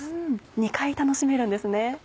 ２回楽しめるんですね。